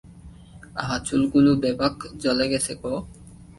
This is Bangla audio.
আহা চুলগুলো বেবাক জ্বলে গেছে গো!